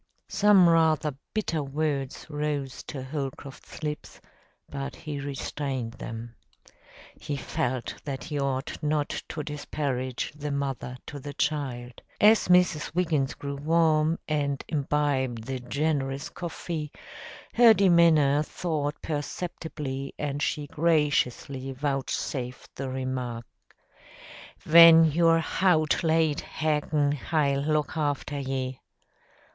Some rather bitter words rose to Holcroft's lips, but he restrained them. He felt that he ought not to disparage the mother to the child. As Mrs. Wiggins grew warm, and imbibed the generous coffee, her demeanor thawed perceptibly and she graciously vouchsafed the remark, "Ven you're hout late hag'in hi'll look hafter ye."